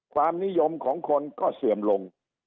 ความนิยมของคนก็เสื่อมลง